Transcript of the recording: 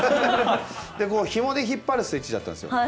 でこうひもで引っ張るスイッチだったんですよ。